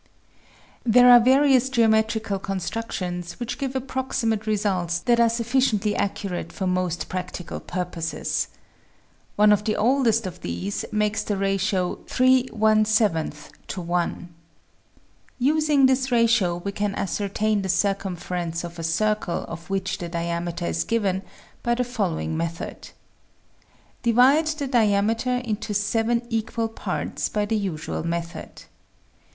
There are various geometrical constructions which give approximate results that are sufficiently accurate for most 22 THE SEVEN FOLLIES OF SCIENCE practical purposes. One of the oldest of these makes the ratio 3y to i. Using this ratio we can ascertain the cir cumference of a circle of which the diameter is given by the following method : Divide the diameter into 7 equal parts by the usual method.